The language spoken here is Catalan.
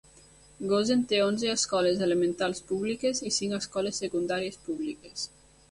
Gosen té onze escoles elementals públiques i cinc escoles secundàries públiques.